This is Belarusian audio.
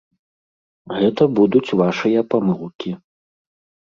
Гэта будуць вашыя памылкі.